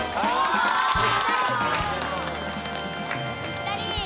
ぴったり。